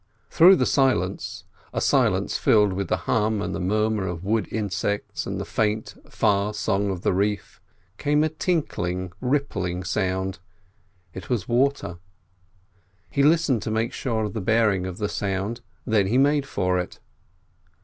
Through the silence—a silence filled with the hum and the murmur of wood insects and the faint, far song of the reef—came a tinkling, rippling sound: it was water. He listened to make sure of the bearing of the sound, then he made for it.